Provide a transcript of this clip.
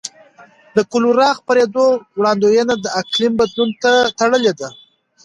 د کولرا خپرېدو وړاندوینه د اقلیم بدلون ته تړلې ده.